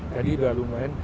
jadi sudah lumayan